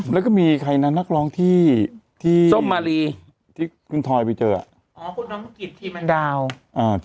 แล้วก็มีใครน่ะนักร้องที่ที่ส้มมาลีที่ขึ้นถอยไปเจอก๋อ